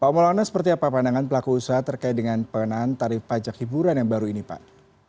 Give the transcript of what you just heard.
pak maulana seperti apa pandangan pelaku usaha terkait dengan pengenaan tarif pajak hiburan yang baru ini pak